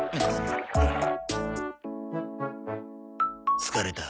疲れた。